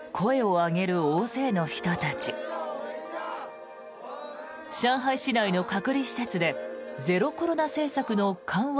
上海市内の隔離施設でゼロコロナ政策の緩和